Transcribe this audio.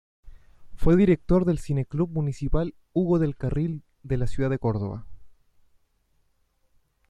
Fue director del Cine Club Municipal Hugo del Carril de la ciudad de Córdoba.